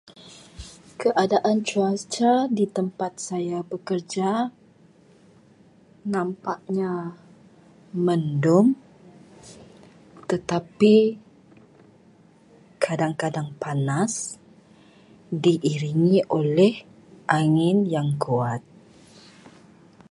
Keadaan cuaca di tempat saya bekerja nampaknya mendung. Tetapi kadang-kadang panas diiringi oleh angin yang kuat.